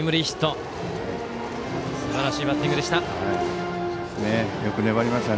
すばらしいバッティングでした。